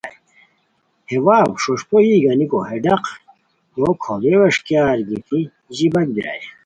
ہے واؤ ݰوݰپو یی گانیکو ہے ڈاق ہو کھوڑیو ویݰکیار گیتی ژیباک بیرائے